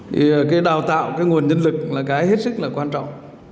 thì cái đào tạo cái nguồn nhân lực là cái hết sức là quan trọng